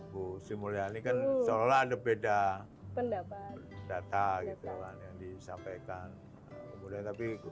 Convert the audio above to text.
bu simuliani kan seolah ada beda data yang disampaikan